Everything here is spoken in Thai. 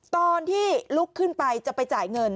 ตอนที่ลุกขึ้นไปจะไปจ่ายเงิน